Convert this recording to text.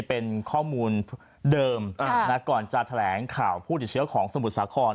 เป็นข้อมูลเดิมก่อนจะแถลงข่าวผู้ติดเชื้อของสมุทรสาคร